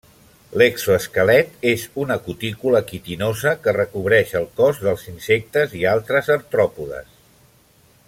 L'exoesquelet és una cutícula quitinosa que recobreix el cos dels insectes i altres artròpodes.